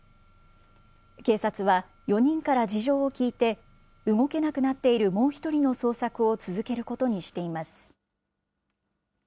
警察は、４人から事情を聴いて、動けなくなっている、もう１人の捜索を続けることにしています。